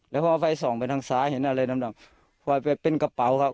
แล้วพอเอาไฟส่องไปทางซ้ายเห็นอะไรต่ำเป็นกระเป๋าครับ